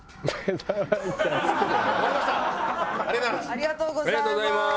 ありがとうございます。